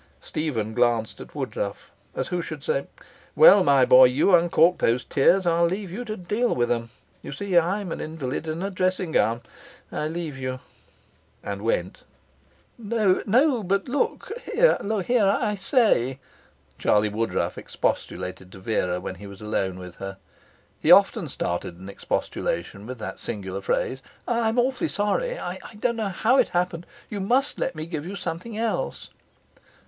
Stephen glanced at Woodruff, as who should say: 'Well, my boy, you uncorked those tears, I'll leave you to deal with 'em. You see, I'm an invalid in a dressing gown. I leave you.' And went. 'No but look here I say,' Charlie Woodruff expostulated to Vera when he was alone with her he often started an expostulation with that singular phrase. 'I'm awfully sorry. I don't know how it happened. You must let me give you something else.'